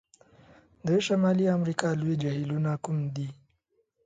د شمالي امریکا لوی جهیلونو کوم دي؟